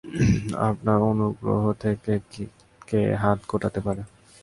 আপনার অনুগ্রহ থেকে কে হাত গুটাতে পারে?